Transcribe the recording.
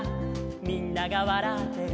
「みんながわらってる」